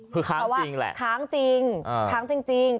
คือค้างจริงแหละค้างจริงค้างจริง